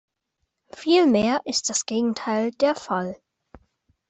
Vielmehr ist das Gegenteil der Fall.